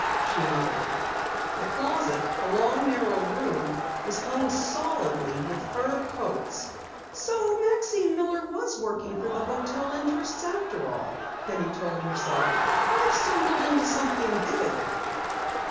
she muttered. The closet, a long narrow room, was hung solidly with fur coats! "So Maxine Miller was working for the hotel interests after all," Penny told herself. "I've stumbled into something big!"